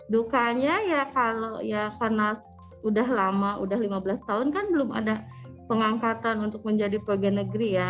dukanya ya kalau ya karena udah lama udah lima belas tahun kan belum ada pengangkatan untuk menjadi pegawai negeri ya